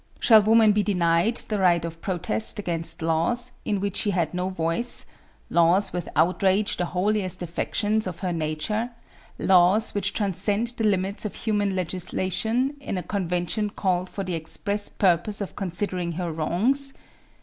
Shall woman be denied the right of protest against laws in which she had no voice; laws which outrage the holiest affections of her nature; laws which transcend the limits of human legislation, in a convention called for the express purpose of considering her wrongs?